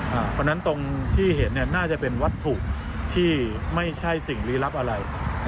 เพราะฉะนั้นตรงที่เห็นน่าจะเป็นวัตถุที่ไม่ใช่สิ่งลี้ลับอะไร